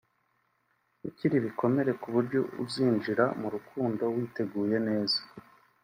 gukira ibikomere ku buryo uzinjira mu rukundo witeguye neza